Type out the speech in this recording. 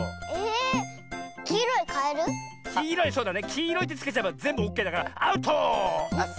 「きいろい」ってつけちゃえばぜんぶオッケーだからアウト！